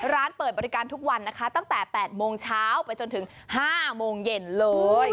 ร้านเปิดบริการทุกวันนะคะตั้งแต่๘โมงเช้าไปจนถึง๕โมงเย็นเลย